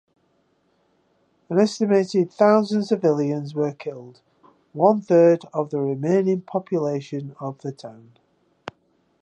An estimated thousand civilians were killed, one-third of the remaining population of the town.